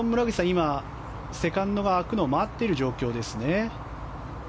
今、セカンドが空くのを待っている状況ですね？